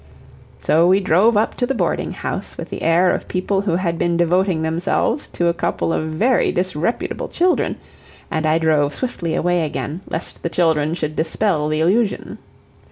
So we drove up to the boarding house with the air of people who had been devoting themselves to a couple of very disreputable children, and I drove swiftly away again, lest the children should dispel the illusion.